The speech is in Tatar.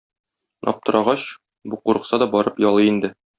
Аптырагач, бу курыкса да барып ялый инде.